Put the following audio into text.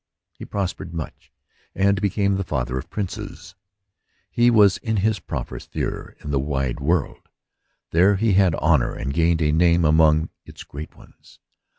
He prospered much, and became the father of princes. H e was in his proper sphere in the wide world ; there he had honor and gained a name among its great ones.